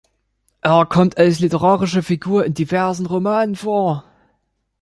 Er kommt als literarische Figur in diversen Romanen vor.